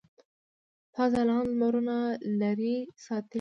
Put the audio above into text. تا ځلاند لمرونه لرې ساتلي.